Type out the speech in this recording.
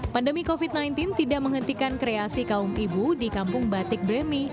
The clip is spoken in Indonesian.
pandemi covid sembilan belas tidak menghentikan kreasi kaum ibu di kampung batik bremi